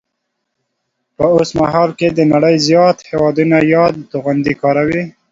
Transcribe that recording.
په اوسمهال کې د نړۍ زیات هیوادونه یاد توغندي کاروي